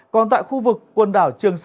còn tại khu vực quần đảo trường sài